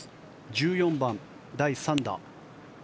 １４番、第３打。